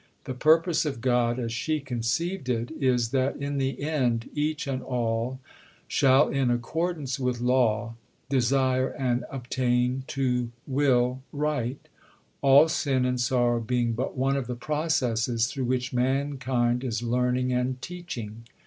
The purpose of God, as she conceived it, is that in the end "each and all shall in accordance with law desire and obtain to will right, all sin and sorrow being but one of the processes through which mankind is learning and teaching.